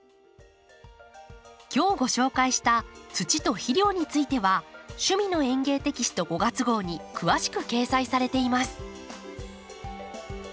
今日ご紹介した土と肥料については「趣味の園芸」テキスト５月号に詳しく掲載されています。